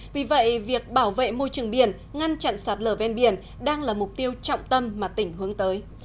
vì vậy việc bảo vệ môi trường biển ngăn chặn sạt lở ven biển đang là mục tiêu trọng tâm mà tỉnh hướng tới